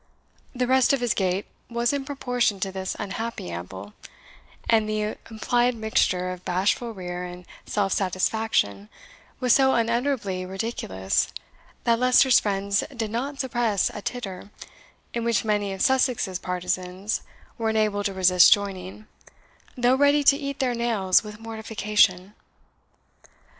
The rest of his gait was in proportion to this unhappy amble; and the implied mixture of bashful rear and self satisfaction was so unutterably ridiculous that Leicester's friends did not suppress a titter, in which many of Sussex's partisans were unable to resist joining, though ready to eat their nails with mortification.